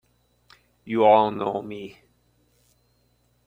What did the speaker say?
You all know me!